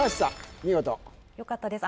お見事よかったです